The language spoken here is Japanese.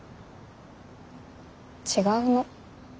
違うの。